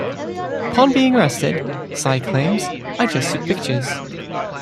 Upon being arrested, Sy claims, I just took pictures.